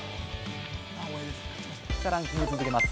ランキング続けます。